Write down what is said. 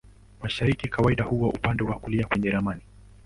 Mashariki kawaida huwa upande wa kulia kwenye ramani.